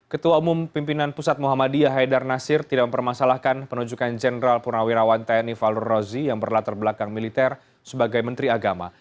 ketua umum pimpinan pusat muhammadiyah haidar nasir tidak mempermasalahkan penunjukan jenderal purnawirawan tni fallur rozi yang berlatar belakang militer sebagai menteri agama